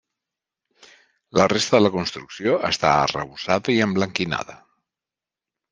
La resta de la construcció està arrebossada i emblanquinada.